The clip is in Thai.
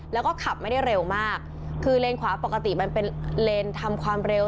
แล้วก็ขับไม่ได้เร็วมากคือเลนขวาปกติมันเป็นเลนทำความเร็ว